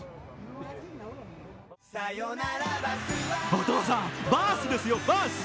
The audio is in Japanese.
お父さん、バースですよ、バース。